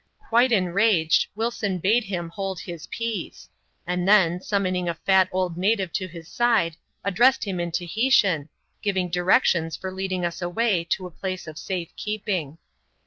Quite enraged, Wilson bade him hold his peace ; and the% summoning a fat old native to his side, addressed him in Tahi tian, giving directions for leading us away to a place of safe keeping.